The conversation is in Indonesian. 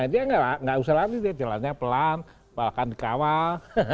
dia enggak usah lari dia jalannya pelan bahkan dikawal